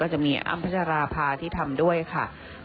ก็คิดว่าคงถึงเวลาต้องดำเนินคดีจริงจังแล้วค่ะ